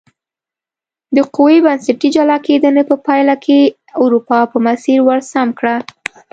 د قوي بنسټي جلا کېدنې په پایله کې اروپا په مسیر ور سمه کړه.